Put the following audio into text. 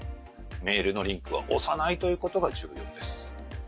メールのリンクを押さないということが重要です。